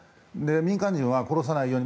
民間人は殺さないように。